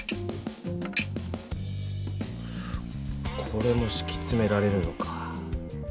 これもしきつめられるのか。